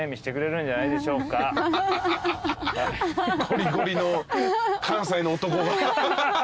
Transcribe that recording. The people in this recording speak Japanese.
ゴリゴリの関西の男が。